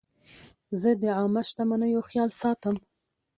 زه د عامه شتمنیو خیال ساتم.